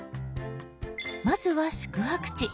まずは「宿泊地」。